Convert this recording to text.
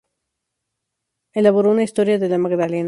Elaboró una "Historia de la Magdalena".